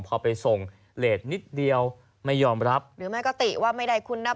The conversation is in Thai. พอไปส่งเลสนิดเดียวไม่ยอมรับหรือไม่ก็ติว่าไม่ได้คุณนับ